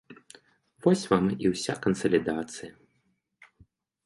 Вось вам і ўся кансалідацыя.